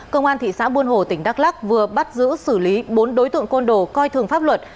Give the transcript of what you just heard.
công an thị xã buôn hồ tỉnh đắk lắc vừa bắt giữ xử lý bốn đối tượng côn đồ coi thường pháp luật